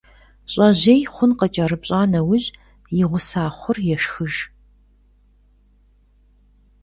ЩIэжьей хъун къыкIэрыпщIа нэужь, и гъуса хъур ешхыж.